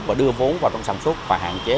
và đưa vốn vào trong sản xuất và hạn chế